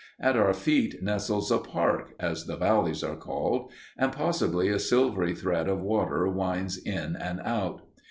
At our feet nestles a "park" (as the valleys are called), and possibly a silvery thread of water winds in and out.